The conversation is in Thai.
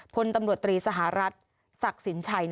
พลตำรวจตรีสหรัฐศักดิ์สินชัย